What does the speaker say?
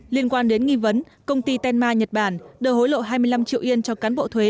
liên quan đến nghi vấn công ty tenma nhật bản đều hối lộ hai mươi năm triệu yên cho cán bộ thuế